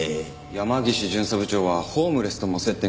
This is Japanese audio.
山岸巡査部長はホームレスとも接点があったそうです。